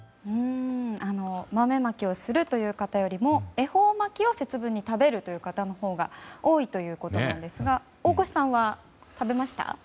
豆まきをするという方よりも恵方巻きを節分に食べるという方のほうが多いということですが大越さんは、食べました？